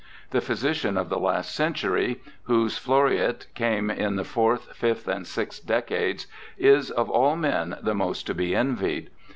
The physician of the last century, whose ' floruit ' came in the fourth, fifth, and sixth decades, is of all men the most to be envied.